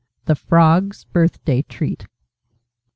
THE FROGS' BIRTHDAY TREAT.